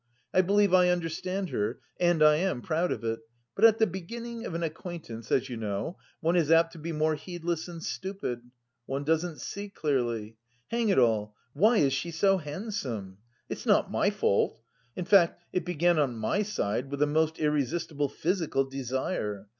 I believe I understand her, and I am proud of it. But at the beginning of an acquaintance, as you know, one is apt to be more heedless and stupid. One doesn't see clearly. Hang it all, why is she so handsome? It's not my fault. In fact, it began on my side with a most irresistible physical desire.